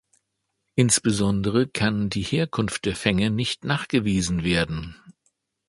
Insbesondere kann die Herkunft der Fänge nicht nachgewiesen werden.